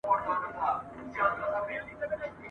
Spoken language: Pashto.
شور به سي پورته له ګل غونډیو !.